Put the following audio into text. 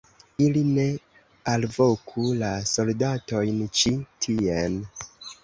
ili ne alvoku la soldatojn ĉi tien!